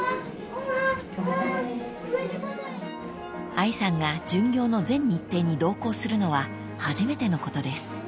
［愛さんが巡業の全日程に同行するのは初めてのことです］